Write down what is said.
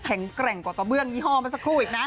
แกร่งกว่ากระเบื้องยี่ห้อมาสักครู่อีกนะ